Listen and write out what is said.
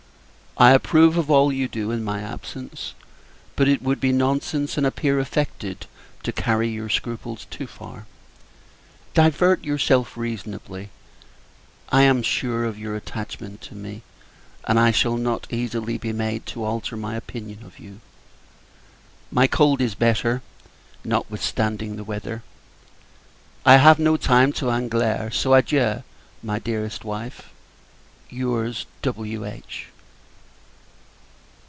I approve of all you do in my absence; but it would be nonsense, and appear affected, to carry your scruples too far. Divert yourself reasonably. I am sure of your attachment to me, and I shall not easily be made to alter my opinion of you. My cold is better, notwithstanding the weather. I have no time to in'gler; so, adieu! my dearest wife. Your's, W.H.